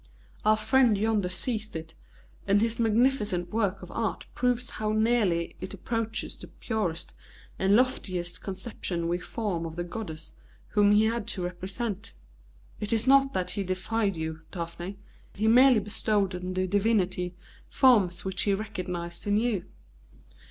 Our friend yonder seized it, and his magnificent work of art proves how nearly it approaches the purest and loftiest conception we form of the goddess whom he had to represent. It is not that he deified you, Daphne; he merely bestowed on the divinity forms which he recognised in you."